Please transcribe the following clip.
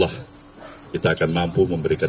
lah kita akan mampu memberikan